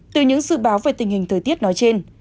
từ những dự báo về tình hình thời tiết nói trên